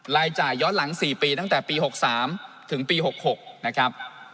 รายจ่ายย้อนหลัง๔ปีตั้งแต่ปี๖๓ถึงปี๖๖นะครับ